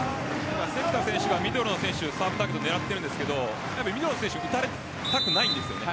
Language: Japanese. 関田選手がミドルの選手サーブで狙っているんですけどミドルの選手打たれたくないんですよね。